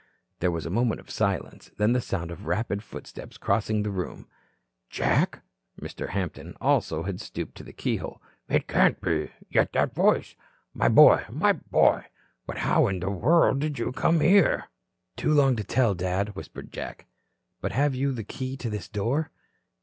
There was a moment of silence, then the sound of rapid footsteps crossing the room. "Jack?" Mr. Hampton also had stooped to the keyhole. "It can't be. Yet that voice! My boy, my boy. But how in the world did you come here?" "Too long to tell, Dad," whispered Jack. "But have you the key to this door?"